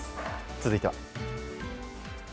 続いては。